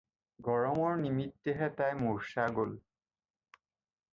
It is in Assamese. গৰমৰ নিমিত্তেহে তাই মূৰ্চ্ছা গ'ল।